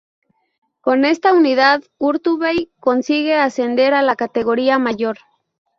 Con esta unidad, Urtubey consigue ascender a la categoría mayor.